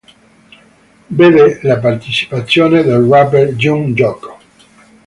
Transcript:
Vede la partecipazione del rapper Yung Joc.